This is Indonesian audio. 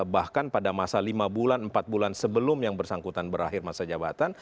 bahkan pada masa lima bulan empat bulan sebelum yang bersangkutan berakhir masa jabatan